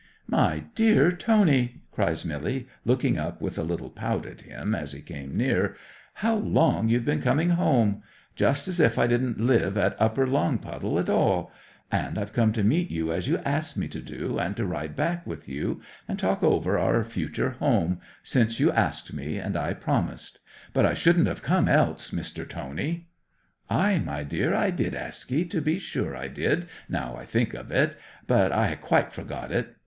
'"My dear Tony!" cries Milly, looking up with a little pout at him as he came near. "How long you've been coming home! Just as if I didn't live at Upper Longpuddle at all! And I've come to meet you as you asked me to do, and to ride back with you, and talk over our future home—since you asked me, and I promised. But I shouldn't have come else, Mr. Tony!" '"Ay, my dear, I did ask ye—to be sure I did, now I think of it—but I had quite forgot it.